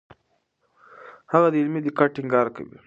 هغه د علمي دقت ټینګار کوي.